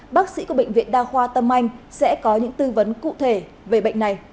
bác sĩ của bệnh viện đa khoa tâm anh sẽ có những tư vấn cụ thể về bệnh này